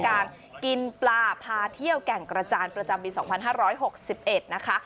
การกินปลาพาเที่ยวแก่งกระจานประจำปี๒๕๖๑นะคะ